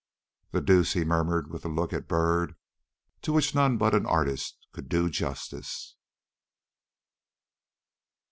"The deuce!" he murmured, with a look at Byrd to which none but an artist could do justice.